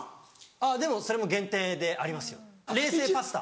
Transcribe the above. あぁでもそれも限定でありますよ冷製パスタ。